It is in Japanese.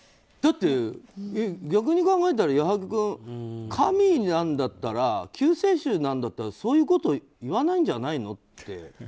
だって逆に考えたら、矢作君神なんだったら救世主なんだったらそういうこと言わないんじゃないのって。